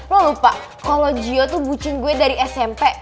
lo lupa kalau gio tuh bucin gue dari smp